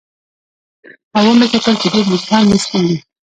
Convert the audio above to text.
او ومې کتل چې ډېر ویښتان مې سپین دي